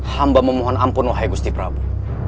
kami memohon ampun gusti prabu